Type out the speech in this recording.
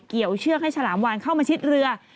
เชือกให้ฉลามวานเข้ามาชิดเรือ